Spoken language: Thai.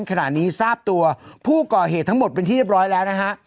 ขณะนี้ทราบตัวผู้ก่อเหตุทั้งหมดเป็นที่เรียบร้อยแล้วนะฮะ